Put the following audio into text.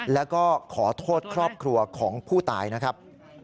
แล้วก็ขอโทษครอบครัวของผู้ตายนะครับ